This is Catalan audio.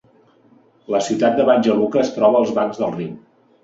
La ciutat de Banja Luka es troba als bancs del riu.